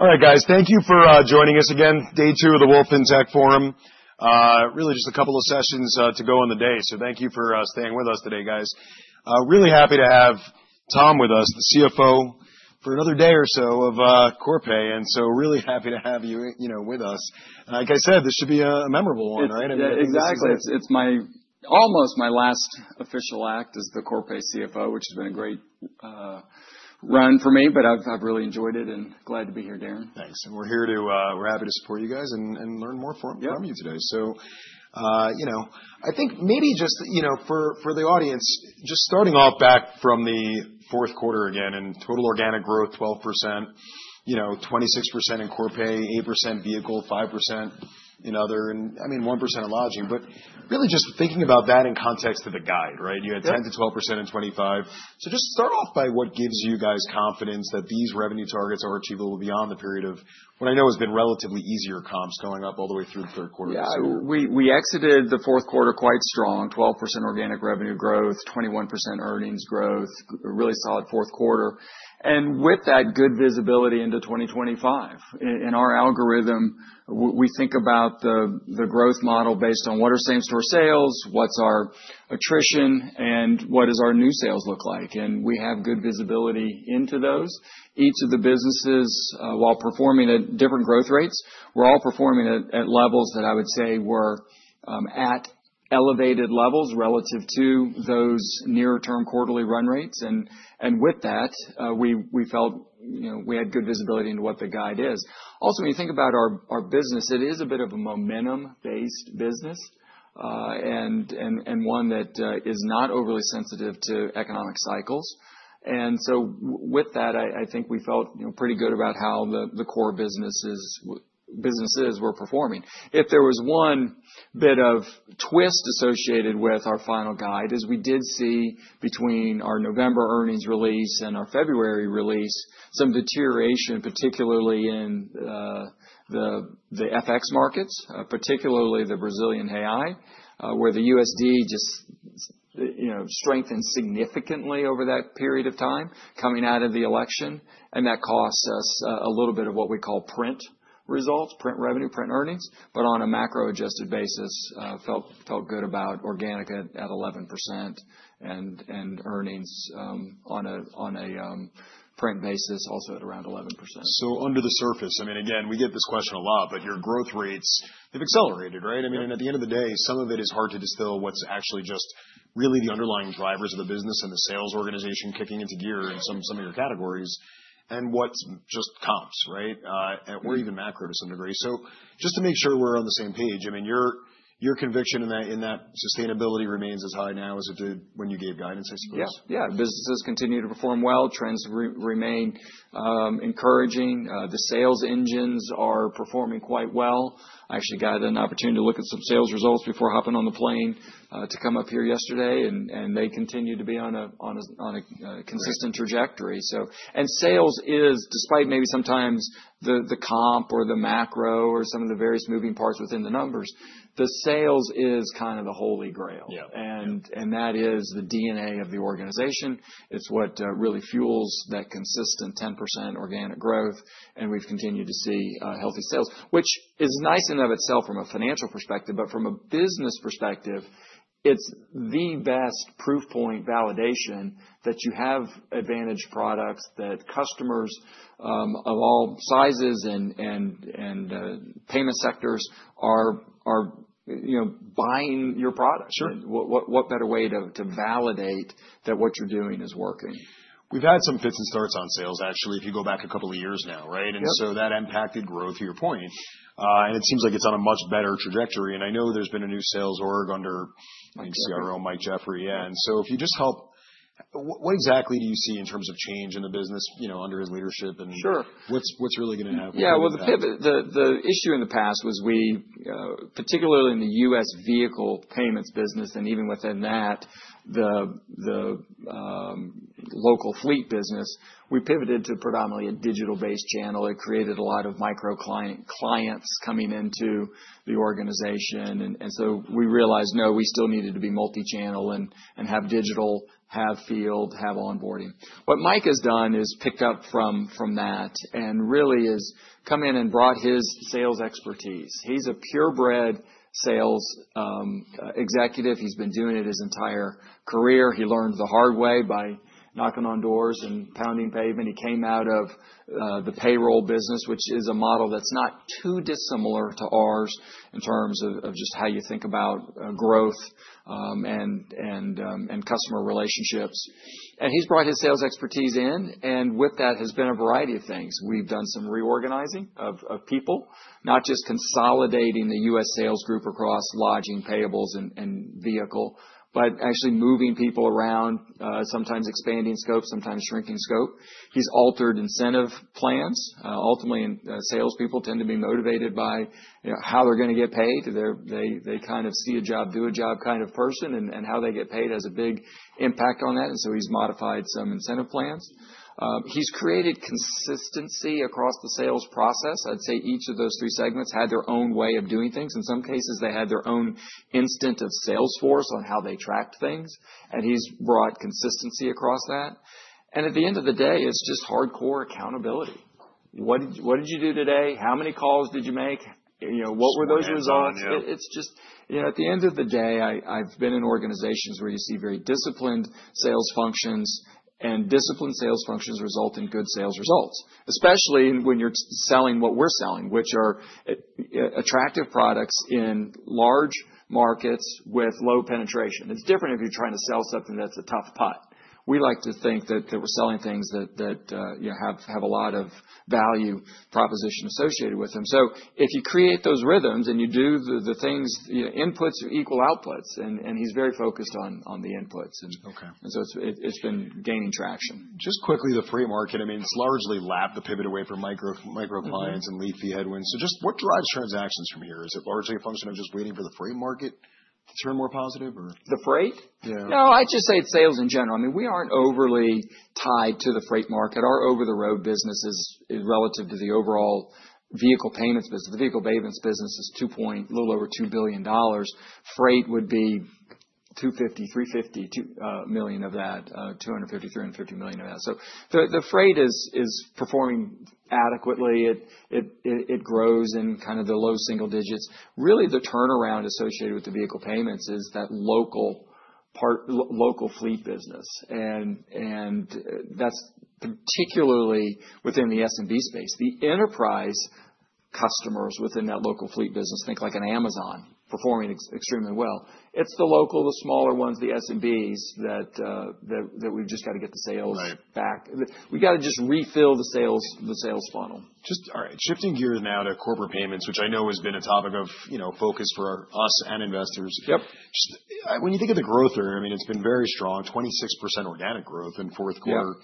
All right, guys, thank you for joining us again. Day Two of the Wolfe FinTech Forum. Really just a couple of sessions to go on the day, so thank you for staying with us today, guys. Really happy to have Tom with us, the CFO, for another day or so of Corpay, and so really happy to have you with us. Like I said, this should be a memorable one, right? Exactly. It's almost my last official act as the Corpay CFO, which has been a great run for me, but I've really enjoyed it and glad to be here, Darrin. Thanks. We are happy to support you guys and learn more from you today. I think maybe just for the audience, just starting off back from the fourth quarter again, and total organic growth 12%, 26% in Corpay, 8% vehicle, 5% in other, and I mean 1% in lodging. Really just thinking about that in context of the guide, right? You had 10%-12% in 2025. Just start off by what gives you guys confidence that these revenue targets are achievable beyond the period of what I know has been relatively easier comps going up all the way through the third quarter this year. Yeah. We exited the fourth quarter quite strong, 12% organic revenue growth, 21% earnings growth, really solid fourth quarter. With that, good visibility into 2025. In our algorithm, we think about the growth model based on what are same-store sales, what is our attrition, and what does our new sales look like. We have good visibility into those. Each of the businesses, while performing at different growth rates, were all performing at levels that I would say were at elevated levels relative to those near-term quarterly run rates. With that, we felt we had good visibility into what the guide is. Also, when you think about our business, it is a bit of a momentum-based business and one that is not overly sensitive to economic cycles. With that, I think we felt pretty good about how the core businesses were performing. If there was one bit of twist associated with our final guide, as we did see between our November earnings release and our February release, some deterioration, particularly in the FX markets, particularly the Brazilian real, where the USD just strengthened significantly over that period of time coming out of the election. That costs us a little bit of what we call print results, print revenue, print earnings. On a macro-adjusted basis, felt good about organic at 11% and earnings on a print basis also at around 11%. Under the surface, I mean, again, we get this question a lot, but your growth rates have accelerated, right? I mean, at the end of the day, some of it is hard to distill what's actually just really the underlying drivers of the business and the sales organization kicking into gear in some of your categories and what's just comps, right? Or even macro to some degree. Just to make sure we're on the same page, I mean, your conviction in that sustainability remains as high now as it did when you gave guidance, I suppose? Yeah. Yeah. Businesses continue to perform well. Trends remain encouraging. The sales engines are performing quite well. I actually got an opportunity to look at some sales results before hopping on the plane to come up here yesterday, and they continue to be on a consistent trajectory. Sales is, despite maybe sometimes the comp or the macro or some of the various moving parts within the numbers, kind of the holy grail. That is the DNA of the organization. It is what really fuels that consistent 10% organic growth. We have continued to see healthy sales, which is nice in and of itself from a financial perspective. From a business perspective, it is the best proof point validation that you have advantage products, that customers of all sizes and payment sectors are buying your product. What better way to validate that what you are doing is working? We've had some fits and starts on sales, actually, if you go back a couple of years now, right? That impacted growth, to your point. It seems like it's on a much better trajectory. I know there's been a new sales org under CRO Mike Jeffrey. If you just help, what exactly do you see in terms of change in the business under his leadership? What's really going to happen? Yeah. The issue in the past was we, particularly in the U.S. vehicle payments business and even within that, the local fleet business, we pivoted to predominantly a digital-based channel. It created a lot of micro clients coming into the organization. We realized, no, we still needed to be multi-channel and have digital, have field, have onboarding. What Mike has done is picked up from that and really has come in and brought his sales expertise. He's a purebred sales executive. He's been doing it his entire career. He learned the hard way by knocking on doors and pounding pavement. He came out of the payroll business, which is a model that's not too dissimilar to ours in terms of just how you think about growth and customer relationships. He's brought his sales expertise in. With that has been a variety of things. We've done some reorganizing of people, not just consolidating the US sales group across lodging, payables, and vehicle, but actually moving people around, sometimes expanding scope, sometimes shrinking scope. He’s altered incentive plans. Ultimately, salespeople tend to be motivated by how they're going to get paid. They kind of see a job, do a job kind of person, and how they get paid has a big impact on that. He’s modified some incentive plans. He’s created consistency across the sales process. I’d say each of those three segments had their own way of doing things. In some cases, they had their own instinct of salesforce on how they tracked things. He’s brought consistency across that. At the end of the day, it’s just hardcore accountability. What did you do today? How many calls did you make? What were those results? It's just, at the end of the day, I've been in organizations where you see very disciplined sales functions. Disciplined sales functions result in good sales results, especially when you're selling what we're selling, which are attractive products in large markets with low penetration. It's different if you're trying to sell something that's a tough putt. We like to think that we're selling things that have a lot of value proposition associated with them. If you create those rhythms and you do the things, inputs are equal outputs. He's very focused on the inputs. It's been gaining traction. Just quickly, the freight market, I mean, it's largely lapped the pivot away from micro clients and leafy headwinds. So just what drives transactions from here? Is it largely a function of just waiting for the freight market to turn more positive? The freight? Yeah. No, I'd just say it's sales in general. I mean, we aren't overly tied to the freight market. Our over-the-road business is relative to the overall vehicle payments business. The vehicle payments business is a little over $2 billion. Freight would be $250 million-$350 million of that, $250 million-$350 million of that. So the freight is performing adequately. It grows in kind of the low single digits. Really, the turnaround associated with the vehicle payments is that local fleet business. And that's particularly within the SMB space. The enterprise customers within that local fleet business, think like an Amazon, performing extremely well. It's the local, the smaller ones, the SMBs that we've just got to get the sales back. We got to just refill the sales funnel. Just shifting gears now to corporate payments, which I know has been a topic of focus for us and investors. When you think of the growth there, I mean, it's been very strong, 26% organic growth in fourth quarter.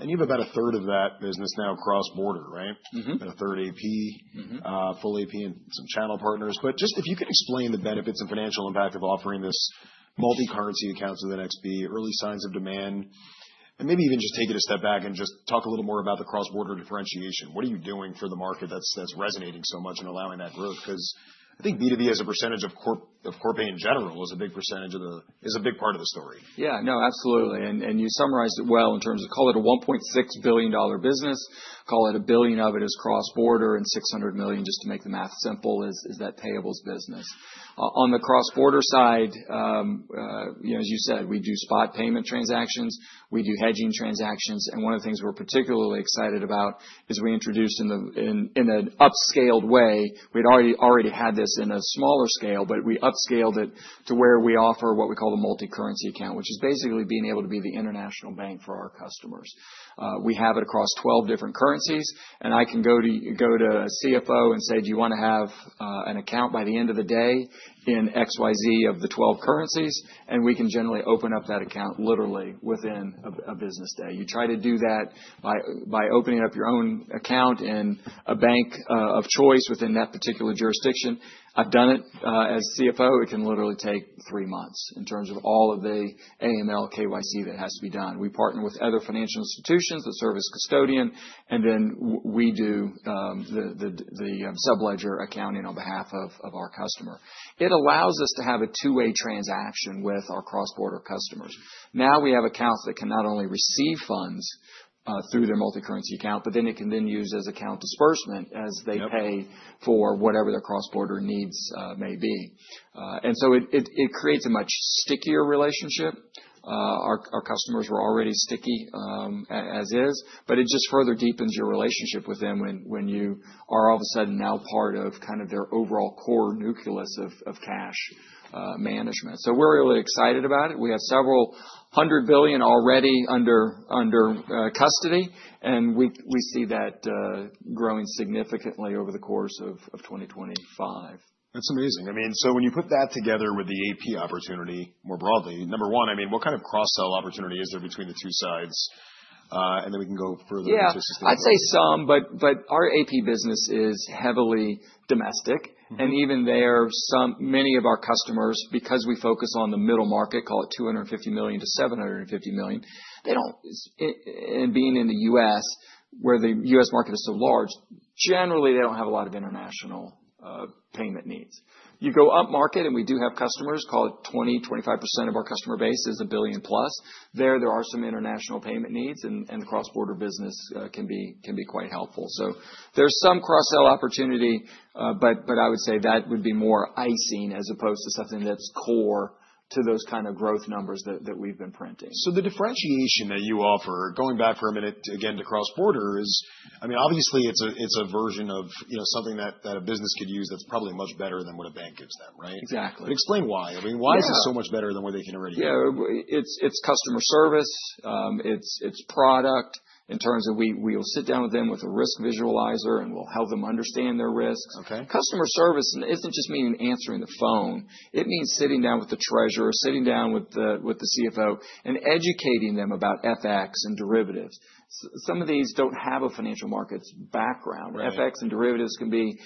And you have about a third of that business now cross-border, right? A third AP, full AP, and some channel partners. If you could explain the benefits and financial impact of offering this multi-currency accounts of the next B, early signs of demand, and maybe even just take it a step back and just talk a little more about the cross-border differentiation. What are you doing for the market that's resonating so much and allowing that growth? Because I think B2B as a percentage of Corpay in general is a big percentage of the is a big part of the story. Yeah. No, absolutely. You summarized it well in terms of, call it a $1.6 billion business. Call it a billion of it is cross-border, and $600 million, just to make the math simple, is that payables business. On the cross-border side, as you said, we do spot payment transactions. We do hedging transactions. One of the things we are particularly excited about is we introduced, in an upscaled way—we had already had this in a smaller scale, but we upscaled it—to where we offer what we call the multi-currency account, which is basically being able to be the international bank for our customers. We have it across 12 different currencies. I can go to a CFO and say, "Do you want to have an account by the end of the day in XYZ of the 12 currencies?" We can generally open up that account literally within a business day. You try to do that by opening up your own account in a bank of choice within that particular jurisdiction. I've done it as CFO. It can literally take three months in terms of all of the AML, KYC that has to be done. We partner with other financial institutions that serve as custodian. We do the subledger accounting on behalf of our customer. It allows us to have a two-way transaction with our cross-border customers. Now we have accounts that can not only receive funds through their multi-currency account, but then it can then use as account disbursement as they pay for whatever their cross-border needs may be. It creates a much stickier relationship. Our customers were already sticky as is, but it just further deepens your relationship with them when you are all of a sudden now part of kind of their overall core nucleus of cash management. We are really excited about it. We have several hundred billion already under custody. We see that growing significantly over the course of 2025. That's amazing. I mean, when you put that together with the AP opportunity more broadly, number one, I mean, what kind of cross-sell opportunity is there between the two sides? Then we can go further into. Yeah. I'd say some, but our AP business is heavily domestic. Even there, many of our customers, because we focus on the middle market, call it $250 million-$750 million, and being in the U.S., where the U.S. market is so large, generally they do not have a lot of international payment needs. You go up market, and we do have customers, call it 20%-25% of our customer base is $1+ billion. There, there are some international payment needs. The cross-border business can be quite helpful. There is some cross-sell opportunity, but I would say that would be more icing as opposed to something that is core to those kind of growth numbers that we have been printing. The differentiation that you offer, going back for a minute again to cross-border, is, I mean, obviously it's a version of something that a business could use that's probably much better than what a bank gives them, right? Exactly. Explain why. I mean, why is it so much better than what they can already? Yeah. It's customer service. It's product in terms of we'll sit down with them with a Risk Visualizer, and we'll help them understand their risks. Customer service isn't just meaning answering the phone. It means sitting down with the Treasurer, sitting down with the CFO, and educating them about FX and derivatives. Some of these don't have a financial markets background. FX and derivatives can be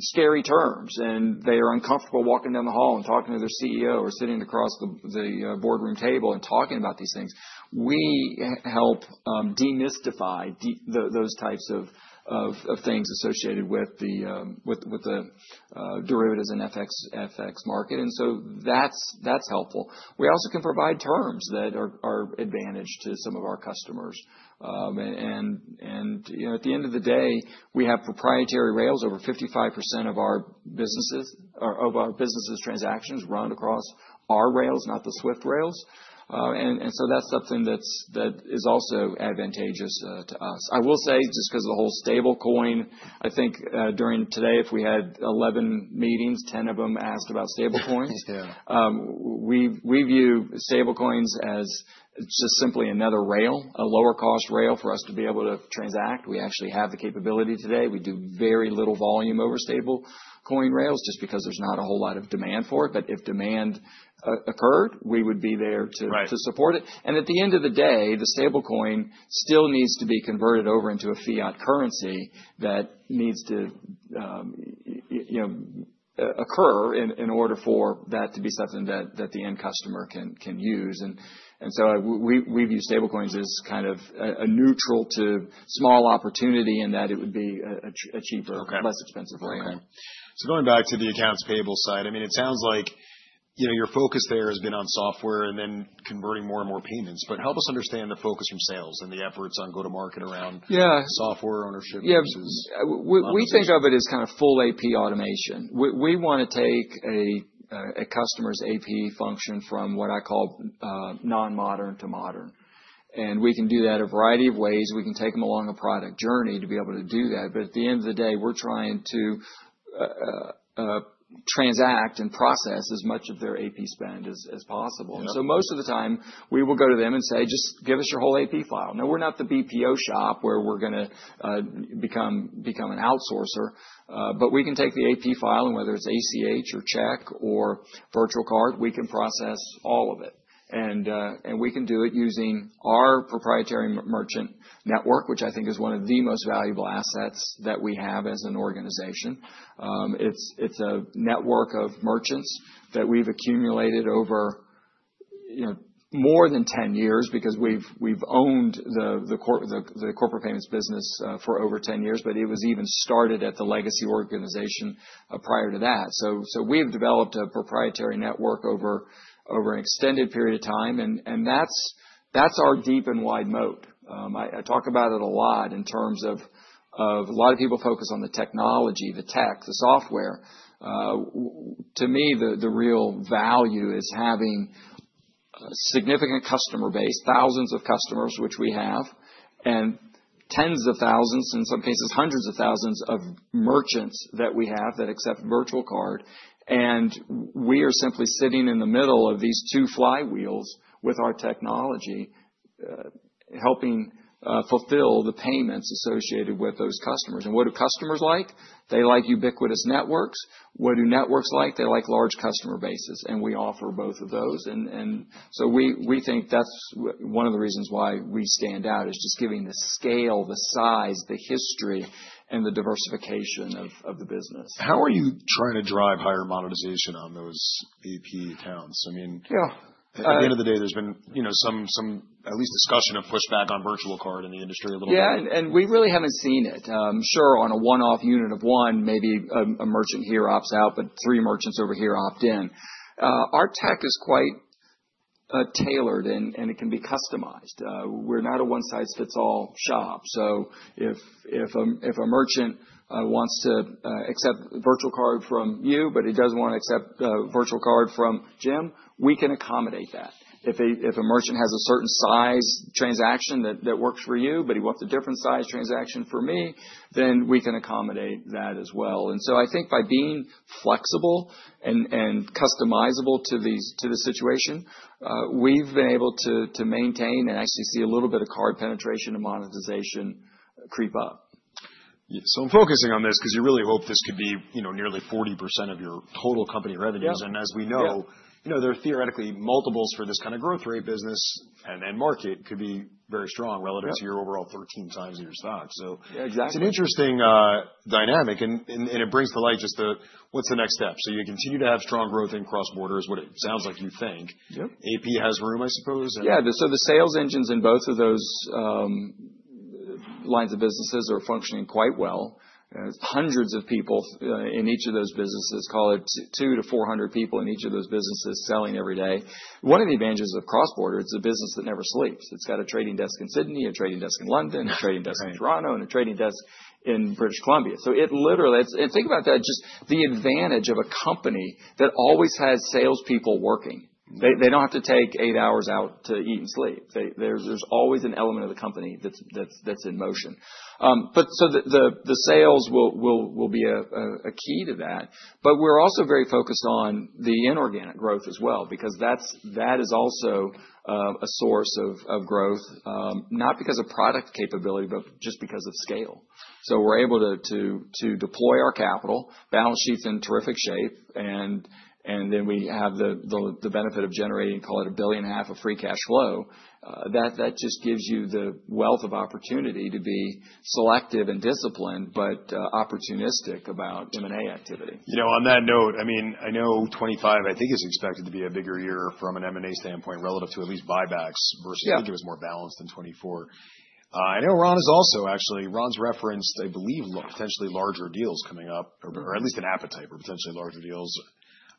scary terms. They are uncomfortable walking down the hall and talking to their CEO or sitting across the boardroom table and talking about these things. We help demystify those types of things associated with the derivatives and FX market. That is helpful. We also can provide terms that are advantage to some of our customers. At the end of the day, we have proprietary rails. Over 55% of our businesses' transactions run across our rails, not the SWIFT rails. That is something that is also advantageous to us. I will say just because of the whole stablecoin, I think during today, if we had 11 meetings, 10 of them asked about stablecoins. We view stablecoins as just simply another rail, a lower-cost rail for us to be able to transact. We actually have the capability today. We do very little volume over stablecoin rails just because there is not a whole lot of demand for it. If demand occurred, we would be there to support it. At the end of the day, the stablecoin still needs to be converted over into a fiat currency that needs to occur in order for that to be something that the end customer can use. We view stablecoins as kind of a neutral to small opportunity in that it would be a cheaper, less expensive way. Okay. Going back to the accounts payable side, I mean, it sounds like your focus there has been on software and then converting more and more payments. Help us understand the focus from sales and the efforts on go-to-market around software ownership. Yeah. We think of it as kind of full AP automation. We want to take a customer's AP function from what I call non-modern to modern. We can do that a variety of ways. We can take them along a product journey to be able to do that. At the end of the day, we're trying to transact and process as much of their AP spend as possible. Most of the time, we will go to them and say, "Just give us your whole AP file." No, we're not the BPO shop where we're going to become an outsourcer. We can take the AP file, and whether it's ACH or check or virtual card, we can process all of it. We can do it using our proprietary merchant network, which I think is one of the most valuable assets that we have as an organization. It is a network of merchants that we have accumulated over more than 10 years because we have owned the corporate payments business for over 10 years. It was even started at the legacy organization prior to that. We have developed a proprietary network over an extended period of time. That is our deep and wide moat. I talk about it a lot in terms of a lot of people focus on the technology, the tech, the software. To me, the real value is having a significant customer base, thousands of customers, which we have, and tens of thousands, in some cases, hundreds of thousands of merchants that we have that accept virtual card. We are simply sitting in the middle of these two flywheels with our technology helping fulfill the payments associated with those customers. What do customers like? They like ubiquitous networks. What do networks like? They like large customer bases. We offer both of those. We think that is one of the reasons why we stand out, just giving the scale, the size, the history, and the diversification of the business. How are you trying to drive higher monetization on those AP accounts? I mean, at the end of the day, there's been some at least discussion of pushback on virtual card in the industry a little bit. Yeah. We really haven't seen it. Sure, on a one-off unit of one, maybe a merchant here opts out, but three merchants over here opt in. Our tech is quite tailored, and it can be customized. We're not a one-size-fits-all shop. If a merchant wants to accept virtual card from you, but he does want to accept virtual card from Jim, we can accommodate that. If a merchant has a certain size transaction that works for you, but he wants a different size transaction for me, we can accommodate that as well. I think by being flexible and customizable to the situation, we've been able to maintain and actually see a little bit of card penetration and monetization creep up. I'm focusing on this because you really hope this could be nearly 40% of your total company revenues. As we know, there are theoretically multiples for this kind of growth rate business. The market could be very strong relative to your overall 13x of your stock. It is an interesting dynamic. It brings to light just what's the next step. You continue to have strong growth in cross-borders, what it sounds like you think. AP has room, I suppose. Yeah. So the sales engines in both of those lines of businesses are functioning quite well. Hundreds of people in each of those businesses, call it 200-400 people in each of those businesses selling every day. One of the advantages of cross-border, it's a business that never sleeps. It's got a trading desk in Sydney, a trading desk in London, a trading desk in Toronto, and a trading desk in British Columbia. It literally, and think about that, just the advantage of a company that always has salespeople working. They don't have to take eight hours out to eat and sleep. There's always an element of the company that's in motion. The sales will be a key to that. We are also very focused on the inorganic growth as well because that is also a source of growth, not because of product capability, but just because of scale. We are able to deploy our capital, balance sheet is in terrific shape. We have the benefit of generating, call it $1.5 billion of free cash flow. That just gives you the wealth of opportunity to be selective and disciplined, but opportunistic about M&A activity. On that note, I mean, I know 2025, I think, is expected to be a bigger year from an M&A standpoint relative to at least buybacks versus I think it was more balanced in 2024. I know Ron has also actually Ron's referenced, I believe, potentially larger deals coming up, or at least an appetite for potentially larger deals.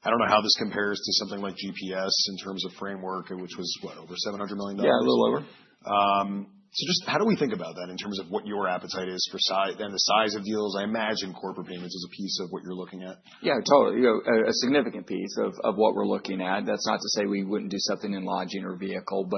I don't know how this compares to something like GPS in terms of framework, which was, what, over $700 million. Yeah, a little over. Just how do we think about that in terms of what your appetite is for and the size of deals? I imagine corporate payments is a piece of what you're looking at. Yeah, totally. A significant piece of what we're looking at. That's not to say we wouldn't do something in lodging or vehicle.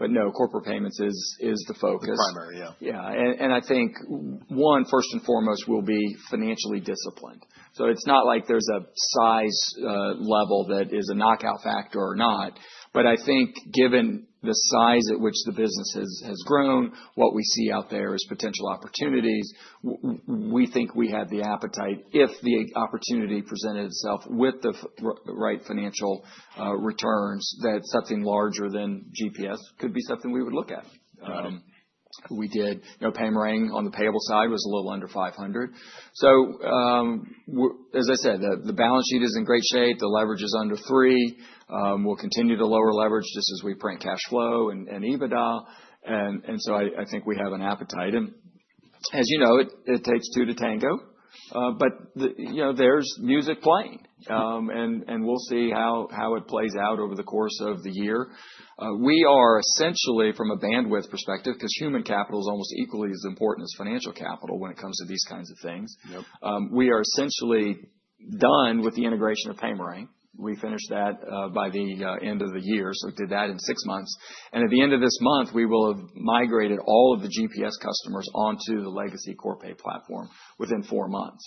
No, corporate payments is the focus. The primary, yeah. Yeah. I think one, first and foremost, will be financially disciplined. It is not like there is a size level that is a knockout factor or not. I think given the size at which the business has grown, what we see out there is potential opportunities. We think we have the appetite if the opportunity presented itself with the right financial returns that something larger than GPS could be something we would look at. We did Paymerang on the payable side, was a little under $500,000. As I said, the balance sheet is in great shape. The leverage is under 3. We will continue to lower leverage just as we print cash flow and EBITDA. I think we have an appetite. As you know, it takes two to tango. There is music playing. We will see how it plays out over the course of the year. We are essentially, from a bandwidth perspective, because human capital is almost equally as important as financial capital when it comes to these kinds of things, we are essentially done with the integration of Paymerang. We finished that by the end of the year. We did that in six months. At the end of this month, we will have migrated all of the GPS customers onto the legacy Corpay platform within four months.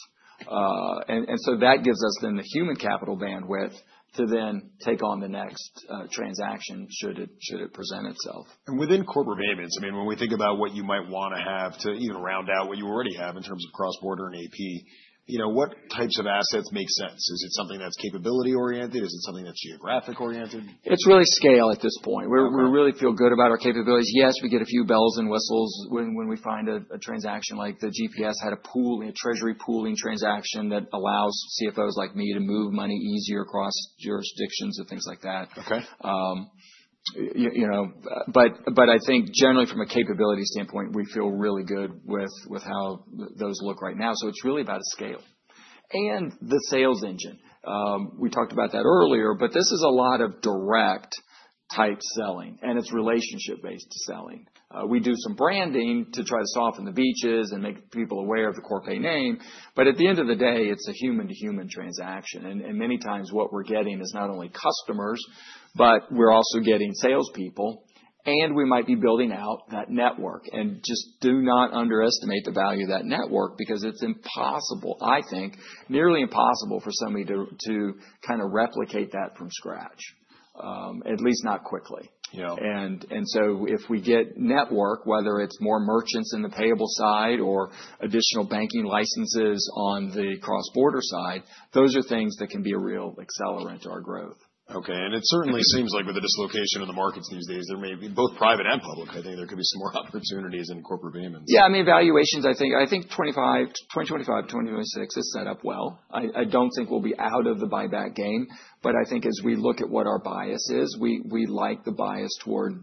That gives us then the human capital bandwidth to then take on the next transaction should it present itself. Within corporate payments, I mean, when we think about what you might want to have to even round out what you already have in terms of cross-border and AP, what types of assets make sense? Is it something that's capability-oriented? Is it something that's geographic-oriented? It's really scale at this point. We really feel good about our capabilities. Yes, we get a few bells and whistles when we find a transaction like the GPS had a treasury pooling transaction that allows CFOs like me to move money easier across jurisdictions and things like that. I think generally, from a capability standpoint, we feel really good with how those look right now. It's really about scale. The sales engine, we talked about that earlier. This is a lot of direct-type selling. It's relationship-based selling. We do some branding to try to soften the beaches and make people aware of the Corpay name. At the end of the day, it's a human-to-human transaction. Many times what we're getting is not only customers, but we're also getting salespeople. We might be building out that network. Do not underestimate the value of that network because it's impossible, I think, nearly impossible for somebody to kind of replicate that from scratch, at least not quickly. If we get network, whether it's more merchants in the payable side or additional banking licenses on the cross-border side, those are things that can be a real accelerant to our growth. Okay. It certainly seems like with the dislocation in the markets these days, there may be both private and public, I think there could be some more opportunities in corporate payments. Yeah. I mean, valuations, I think 2025, 2026 is set up well. I do not think we will be out of the buyback game. I think as we look at what our bias is, we like the bias toward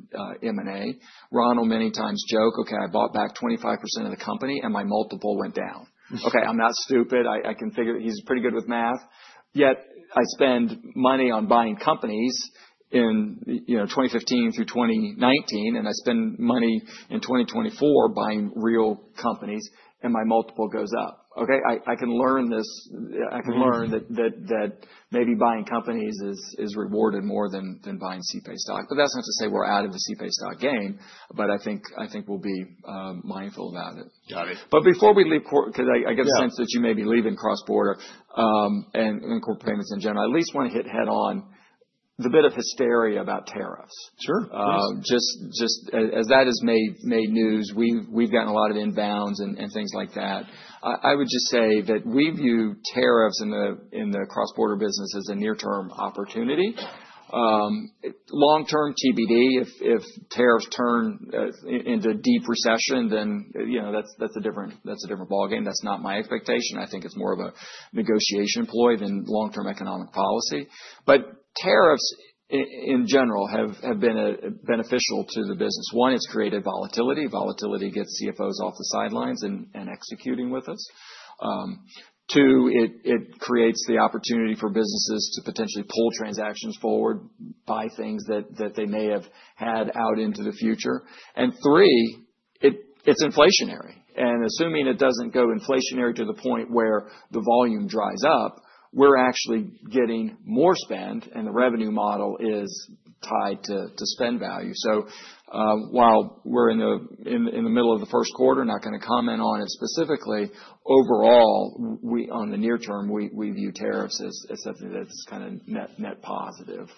M&A. Ron will many times joke, "Okay, I bought back 25% of the company and my multiple went down." Okay. I am not stupid. He is pretty good with math. Yet I spend money on buying companies in 2015 through 2019. I spend money in 2024 buying real companies and my multiple goes up. Okay. I can learn this. I can learn that maybe buying companies is rewarded more than buying Corpay stock. That is not to say we are out of the Corpay stock game. I think we will be mindful about it. Got it. Before we leave, because I get a sense that you may be leaving cross-border and corporate payments in general, I at least want to hit head-on the bit of hysteria about tariffs. Sure. Just as that has made news, we've gotten a lot of inbounds and things like that. I would just say that we view tariffs in the cross-border business as a near-term opportunity. Long-term TBD, if tariffs turn into deep recession, then that's a different ballgame. That's not my expectation. I think it's more of a negotiation ploy than long-term economic policy. Tariffs in general have been beneficial to the business. One, it's created volatility. Volatility gets CFOs off the sidelines and executing with us. Two, it creates the opportunity for businesses to potentially pull transactions forward, buy things that they may have had out into the future. Three, it's inflationary. Assuming it does not go inflationary to the point where the volume dries up, we're actually getting more spend. The revenue model is tied to spend value. While we're in the middle of the first quarter, not going to comment on it specifically. Overall, on the near term, we view tariffs as something that's kind of net positive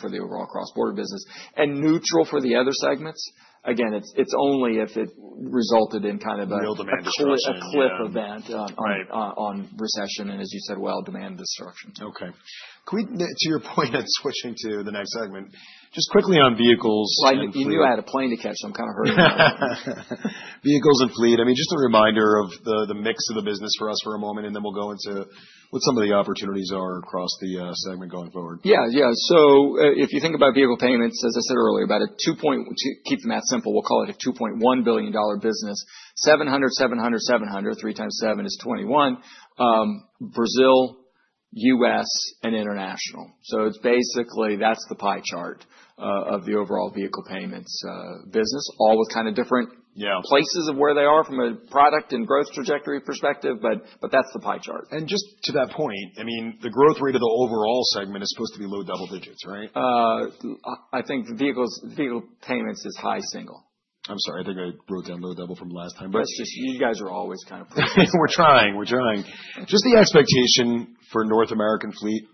for the overall cross-border business and neutral for the other segments. Again, it's only if it resulted in kind of a cliff event on recession and, as you said, well, demand destruction. Okay. To your point, I'm switching to the next segment. Just quickly on vehicles. I knew you had a plane to catch. I'm kind of hurting myself. Vehicles and fleet. I mean, just a reminder of the mix of the business for us for a moment. Then we'll go into what some of the opportunities are across the segment going forward. Yeah. Yeah. If you think about vehicle payments, as I said earlier, about a $2.1 billion business, 700, 700, 700. 3 x 7 = 21. Brazil, U.S., and international. It is basically that's the pie chart of the overall vehicle payments business, all with kind of different places of where they are from a product and growth trajectory perspective. That is the pie chart. Just to that point, I mean, the growth rate of the overall segment is supposed to be low double digits, right? I think vehicle payments is high single. I'm sorry. I think I wrote down low double from last time. That's just you guys are always kind of. We're trying. We're trying. Just the expectation for North American fleet.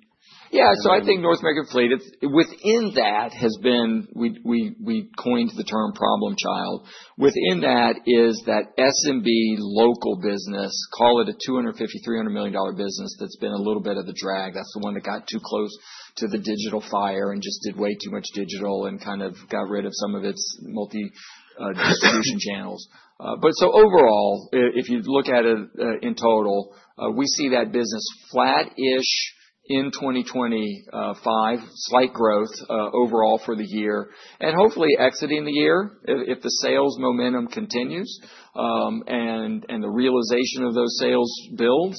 Yeah. I think North American fleet, within that has been, we coined the term problem child. Within that is that SMB local business, call it a $250 million-$300 million business, that's been a little bit of a drag. That's the one that got too close to the digital fire and just did way too much digital and kind of got rid of some of its multi-distribution channels. Overall, if you look at it in total, we see that business flat-ish in 2025, slight growth overall for the year. Hopefully exiting the year, if the sales momentum continues and the realization of those sales builds,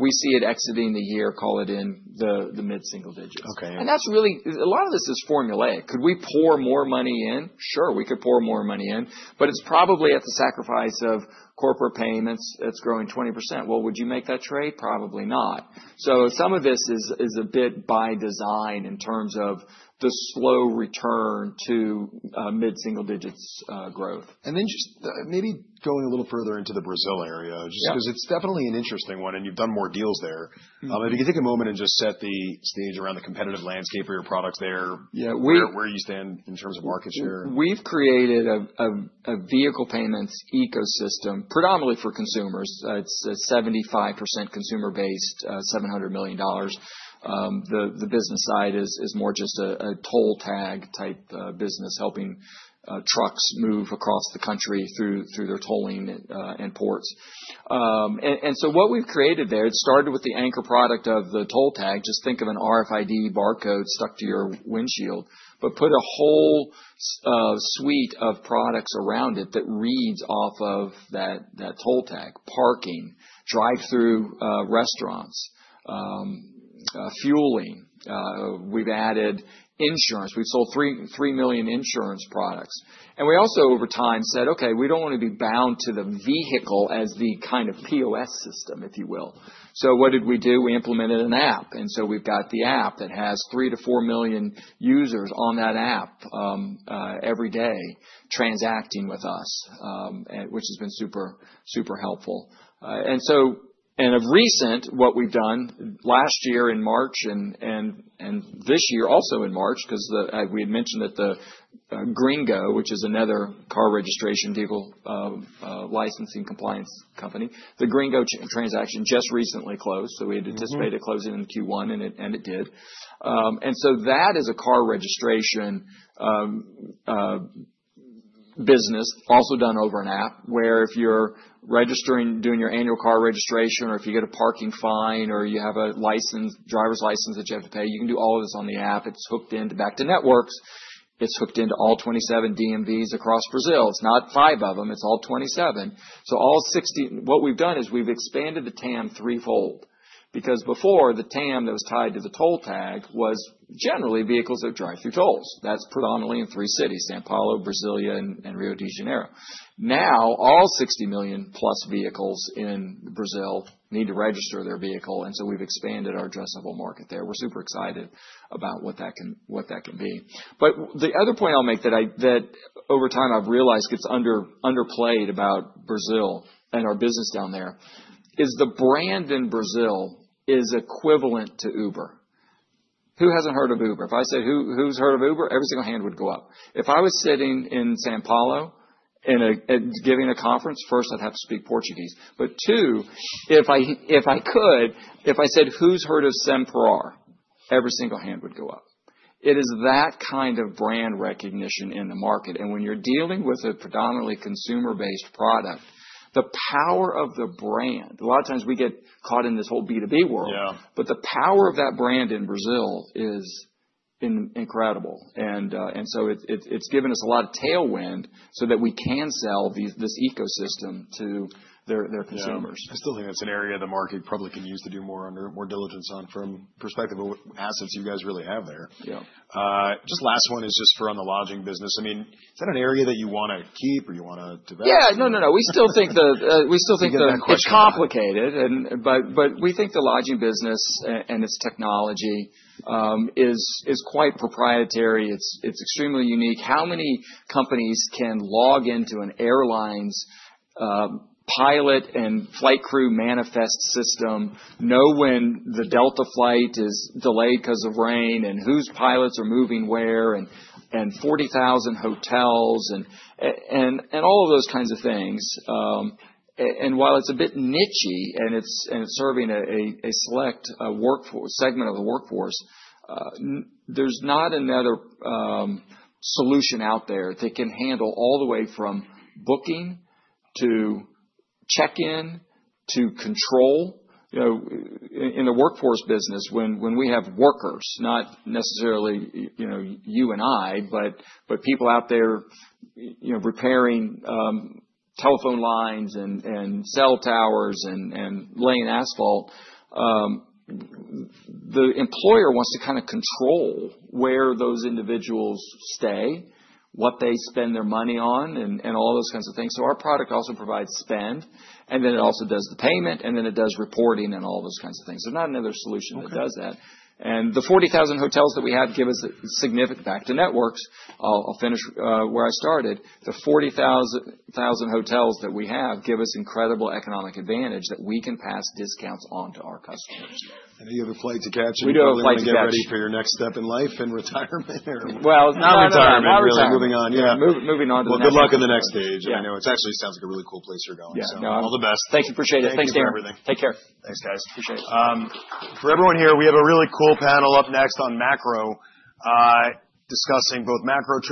we see it exiting the year, call it in the mid-single digits. That is really, a lot of this is formulaic. Could we pour more money in? Sure, we could pour more money in. It is probably at the sacrifice of corporate payments that is growing 20%. Would you make that trade? Probably not. Some of this is a bit by design in terms of the slow return to mid-single digits growth. Maybe going a little further into the Brazil area, just because it's definitely an interesting one and you've done more deals there. If you could take a moment and just set the stage around the competitive landscape of your products there, where you stand in terms of market share. We've created a vehicle payments ecosystem predominantly for consumers. It's 75% consumer-based, $700 million. The business side is more just a toll tag type business, helping trucks move across the country through their tolling and ports. What we've created there, it started with the anchor product of the toll tag. Just think of an RFID barcode stuck to your windshield, but put a whole suite of products around it that reads off of that toll tag: parking, drive-through restaurants, fueling. We've added insurance. We've sold 3 million insurance products. We also, over time, said, "Okay, we don't want to be bound to the vehicle as the kind of POS system, if you will." What did we do? We implemented an app. We have the app that has 3 million-4 million users on that app every day transacting with us, which has been super, super helpful. Of recent, what we have done last year in March and this year also in March, because we had mentioned that Gringo, which is another car registration vehicle licensing compliance company, the Gringo transaction just recently closed. We had anticipated closing in Q1, and it did. That is a car registration business also done over an app where if you are registering, doing your annual car registration, or if you get a parking fine or you have a driver's license that you have to pay, you can do all of this on the app. It is hooked into banking networks. It is hooked into all 27 DMVs across Brazil. It is not five of them. It is all 27. All 60, what we've done is we've expanded the TAM threefold because before the TAM that was tied to the toll tag was generally vehicles that drive through tolls. That's predominantly in three cities: São Paulo, Brasilia, and Rio de Janeiro. Now all 60 million plus vehicles in Brazil need to register their vehicle. And so we've expanded our addressable market there. We're super excited about what that can be. The other point I'll make that over time I've realized gets underplayed about Brazil and our business down there is the brand in Brazil is equivalent to Uber. Who hasn't heard of Uber? If I said, "Who's heard of Uber?" Every single hand would go up. If I was sitting in São Paulo giving a conference, first, I'd have to speak Portuguese. If I could, if I said, "Who's heard of Sem Parar?" every single hand would go up. It is that kind of brand recognition in the market. When you're dealing with a predominantly consumer-based product, the power of the brand, a lot of times we get caught in this whole B2B world, but the power of that brand in Brazil is incredible. It has given us a lot of tailwind so that we can sell this ecosystem to their consumers. I still think that's an area the market probably can use to do more diligence on from the perspective of assets you guys really have there. Just last one is just for on the lodging business. I mean, is that an area that you want to keep or you want to divest? Yeah. No, no, no. We still think the. You're doing quickly. It's complicated. We think the lodging business and its technology is quite proprietary. It's extremely unique. How many companies can log into an airline's pilot and flight crew manifest system, know when the Delta flight is delayed because of rain and whose pilots are moving where and 40,000 hotels and all of those kinds of things? While it's a bit niche and it's serving a select segment of the workforce, there's not another solution out there that can handle all the way from booking to check-in to control. In the workforce business, when we have workers, not necessarily you and I, but people out there repairing telephone lines and cell towers and laying asphalt, the employer wants to kind of control where those individuals stay, what they spend their money on, and all those kinds of things. Our product also provides spend. It also does the payment. It does reporting and all those kinds of things. There is not another solution that does that. The 40,000 hotels that we have give us significant banking networks. I'll finish where I started. The 40,000 hotels that we have give us incredible economic advantage that we can pass discounts on to our customers. Any other flight to catch? We do have a flight to catch. Are you ready for your next step in life and retirement? Not retirement. Not retirement. Moving on. Good luck in the next stage. I know it actually sounds like a really cool place you're going. So all the best. Thank you. Appreciate it. Thanks, Darrin. Take care. Thanks, guys. Appreciate it. Appreciate it. For everyone here, we have a really cool panel up next on macro discussing both macro.